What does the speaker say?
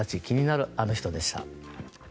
気になるアノ人でした。